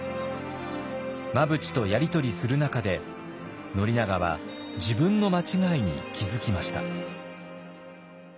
真淵とやり取りする中で宣長は自分の間違いに気付きました。